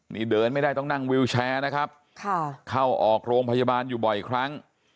นี่เดินไม่ได้ต้องนั่งวิวแชร์นะครับค่ะเข้าออกโรงพยาบาลอยู่บ่อยครั้ง